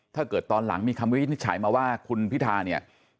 ถ้าเกิดตอนหลังมีคำวิทย์นี้ฉายมาว่าคุณพิทาเนี่ย